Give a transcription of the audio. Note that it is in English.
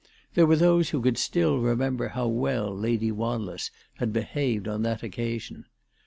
There were those who could still remember how well Lady Wanless had be haved on that occasion.